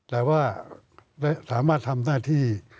แต่ว่าสามารถทำหน้าที่